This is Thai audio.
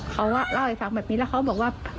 เขาเล่าให้ฟังแบบนี้แล้วเขาบอกว่า